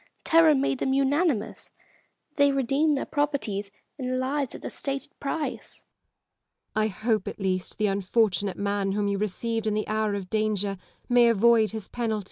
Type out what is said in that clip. Terror made them unanimous : they redeemed their properties and lives at the stated price. Elizabeth Gaunt. I hope, at least, the unfortunate man whom you received in the hour of danger may avoid his penalty.